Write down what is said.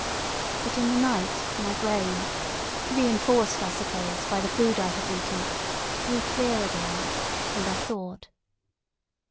But in the night my brain, reinforced, I suppose, by the food I had eaten, grew clear again, and I thought.